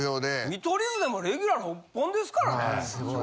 見取り図でもレギュラー６本ですからね。